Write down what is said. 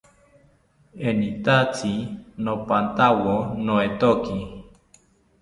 Enitatzi nopathawo noetoki